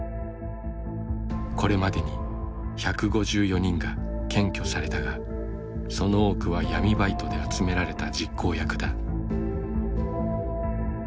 これまでに１５４人が検挙されたがその多くは闇バイトで集められた実行役だ。